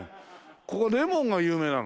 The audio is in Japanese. ここレモンが有名なの？